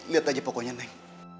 liat aja pokoknya neng